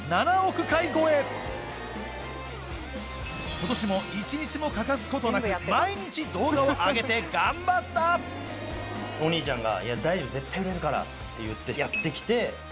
今年も一日も欠かすことなく毎日動画を上げて頑張ったお兄ちゃんが「大丈夫絶対売れるから」って言ってやって来て。